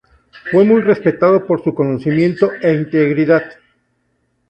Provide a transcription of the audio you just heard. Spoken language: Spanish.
Fue muy respetado por su conocimiento e integridad.